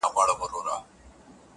ستا جنتي زلفې او زما دوه دوزخي لاسونه!